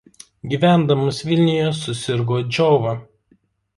Gyvendamas Vilniuje susirgo džiova.